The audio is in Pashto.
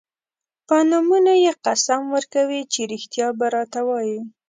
په نومونو یې قسم ورکوي چې رښتیا به راته وايي.